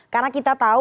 karena kita tahu